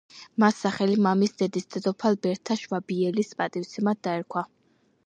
მას სახელი მამის დედის, დედოფალ ბერთა შვაბიელის პატივსაცემად დაარქვეს.